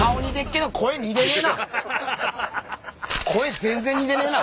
声全然似てねえな。